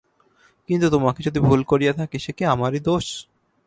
কিন্তু তোমাকে যদি ভুল করিয়া থাকি, সে কি আমারই দোষ।